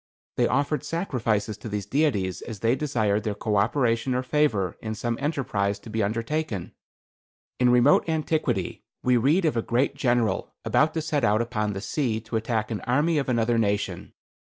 They offered sacrifices to these deities as they desired their co operation or favor in some enterprise to be undertaken. "In remote antiquity, we read of a great General about to set out upon the sea to attack the army of another nation.